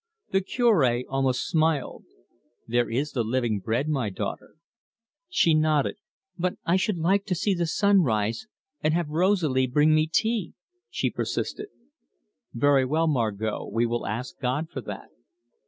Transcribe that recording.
The Cure almost smiled. "There is the Living Bread, my daughter." She nodded. "But I should like to see the sunrise and have Rosalie bring me tea," she persisted. "Very well, Margot. We will ask God for that."